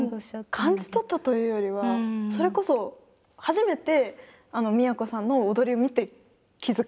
感じ取ったというよりはそれこそ初めて都さんの踊りを見て気付かされたので。